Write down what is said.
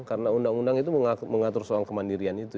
karena undang undang itu mengatur soal kemandirian itu ya